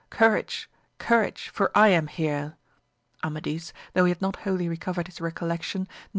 courage I courage ! for I am here. Amadis, though he had not wholly recovered his recollection, knew AMADIS OF GAUL.